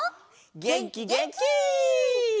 げんきげんき！